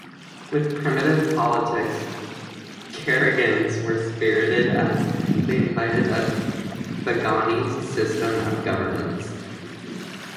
With primitive politics, Caragans were spirited as they invited a "bagani system" of governance.